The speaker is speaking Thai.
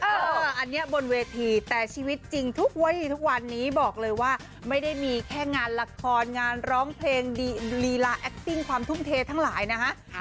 อันนี้บนเวทีแต่ชีวิตจริงทุกวีทุกวันนี้บอกเลยว่าไม่ได้มีแค่งานละครงานร้องเพลงดีลีลาแอคติ้งความทุ่มเททั้งหลายนะฮะ